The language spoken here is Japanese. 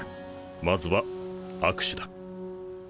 まずは握手だ。